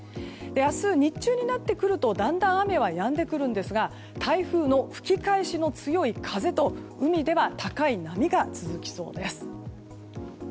明日、日中になってくるとだんだん雨はやんでくるんですが台風の吹き返しの強い風と海では高い波が続きそうです。